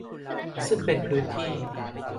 ซึ่งเป็นพื้นที่